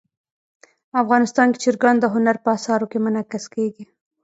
افغانستان کې چرګان د هنر په اثار کې منعکس کېږي.